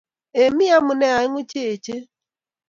Ee, mi amune aeng'u che eechen.